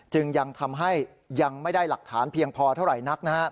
จึงยังทำให้ยังไม่ได้หลักฐานเพียงพอเท่าไหร่นัก